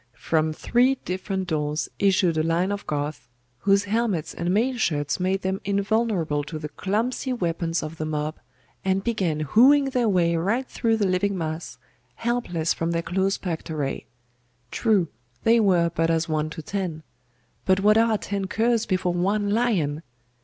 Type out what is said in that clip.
From three different doors issued a line of Goths, whose helmets and mail shirts made them invulnerable to the clumsy weapons of the mob, and began hewing their way right through the living mass, helpless from their close packed array. True, they were but as one to ten; but what are ten curs before one lion?....